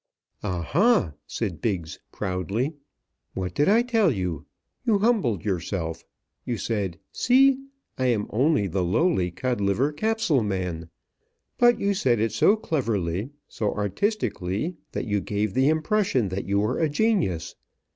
"Ah, ha!" said Biggs, proudly; "what did I tell you? You humbled yourself. You said, 'See! I am only the lowly Codliver Capsule man;' but you said it so cleverly, so artistically, that you gave the impression that you were a genius.